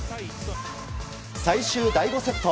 最終第５セット。